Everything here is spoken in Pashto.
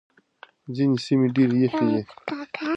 ځينې سيمې ډېرې يخې دي.